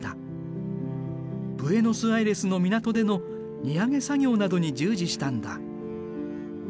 ブエノスアイレスの港での荷揚げ作業などに従事したんだ。